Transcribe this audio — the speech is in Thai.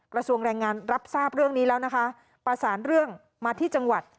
กระทรวงแรงงานรับทราบเรื่องนี้แล้วนะคะประสานเรื่องมาที่จังหวัด